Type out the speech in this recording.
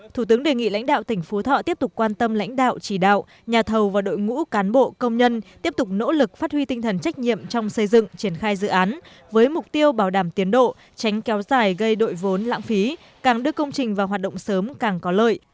thủ tướng đề nghị lãnh đạo tỉnh phú thọ tiếp tục quan tâm lãnh đạo chỉ đạo nhà thầu và đội ngũ cán bộ công nhân tiếp tục nỗ lực phát huy tinh thần trách nhiệm trong xây dựng triển khai dự án với mục tiêu bảo đảm tiến độ tránh kéo dài gây đội vốn lãng phí càng đưa công trình vào hoạt động sớm càng có lợi